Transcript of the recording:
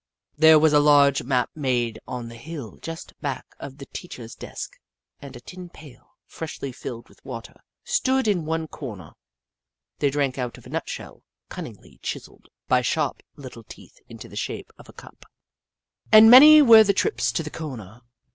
There was a large map made on the hill just back of the teacher's desk, and a tin pail, freshly filled with water, stood in one corner. They drank out of a nutshell, cunningly chis elled by sharp little teeth into the shape of a cup, and many were the trips to the corner.